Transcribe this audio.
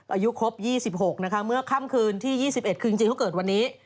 อายุครบ๒๖นะคะเมื่อค่ำคืนที่๒๑คือจริงเขาเกิดวันนี้